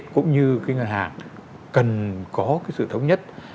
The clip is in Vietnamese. cũng như cái ngân hàng cần có cái sự thống nhất